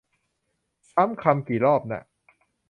ซ้ำคำกี่รอบน่ะ